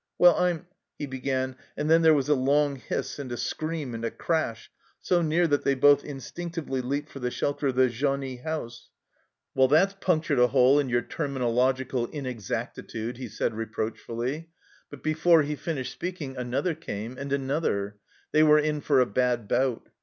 " Well, I'm " he began, and then there was a long hiss and a scream and a crash, so near that they both instinctively leaped for the shelter of the genie house. " That's punctured a hole in your terminological inexactitude," he said reproachfully. But before he finished speaking another came, and another, They were in for a bad bout.